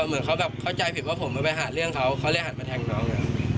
เหมือนเขาแบบเข้าใจผิดว่าผมไม่ไปหาเรื่องเขาเขาเลยหันมาแทงน้อง